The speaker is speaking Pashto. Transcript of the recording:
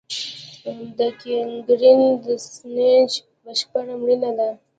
د ګینګرین د نسج بشپړ مړینه ده.